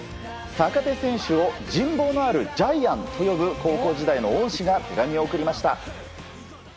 坂手選手を人望のあるジャイアンと呼ぶ高校時代の恩師が手紙を送りました。